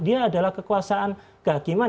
dia adalah kekuasaan kehakiman